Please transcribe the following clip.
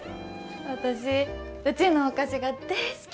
私うちのお菓子が大好き。